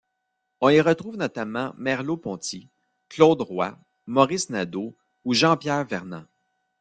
On y retrouve notamment Merleau-Ponty, Claude Roy, Maurice Nadeau ou Jean-Pierre Vernant.